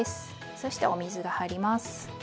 そしてお水が入ります。